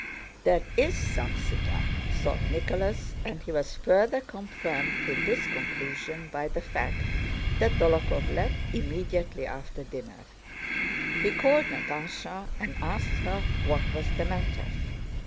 "There is something up," thought Nicholas, and he was further confirmed in this conclusion by the fact that Dólokhov left immediately after dinner. He called Natásha and asked her what was the matter.